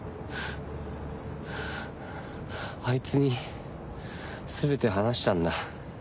あいつにすべて話したんだ。